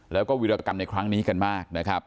แล้วก็วิรากรรมในครั้งนี้กันมากนะครับ